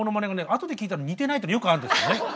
あとで聞いたら似てないっていうのよくあるんですよね。